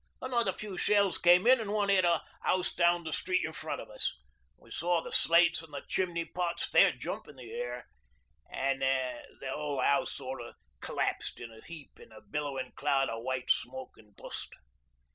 Another few shells came in an' one hit a house down the street in front of us. We saw the slates an' the chimney pots fair jump in the air an' the 'ole 'ouse sort of collapsed in a heap an' a billowin' cloud o' white smoke an' dust.